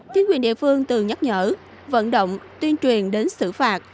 chính quyền địa phương từng nhắc nhở vận động tuyên truyền đến xử phạt